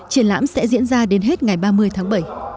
triển lãm sẽ diễn ra đến hết ngày ba mươi tháng bảy